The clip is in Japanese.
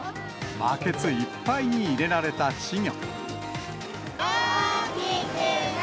バケツいっぱいに入れられた稚魚。